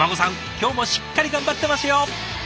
今日もしっかり頑張ってますよ。